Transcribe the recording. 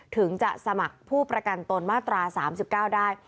ถึงจะสมัครผู้ประกันตนมาตรา๓๙ได้